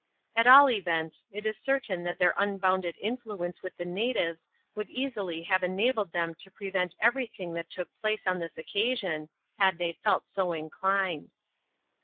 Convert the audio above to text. At all events, it is certain that their unbounded influence with the natives would easily have enabled them to prevent every thing that took place on this occasion, had they felt so inclined.